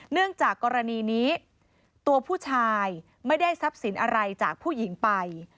เนื่องจากกรณีนี้ตัวผู้ชายไม่ได้ทรัพย์สินอะไรจากผู้หญิงไป